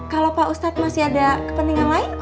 kalau pak ustadz masih ada kepentingan lain